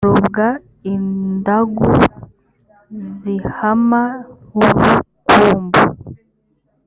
robwa indagu zihama nkurukumbi